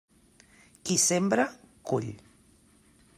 Qui sembra, cull.